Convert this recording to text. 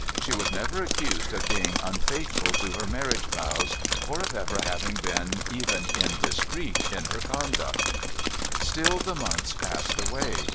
She was never accused of being unfaithful to her marriage vows, or of ever having been even indiscreet in her conduct. Still the months passed away.